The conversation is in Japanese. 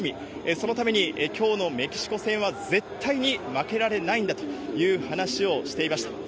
そのために、きょうのメキシコ戦は絶対に負けられないんだという話をしていました。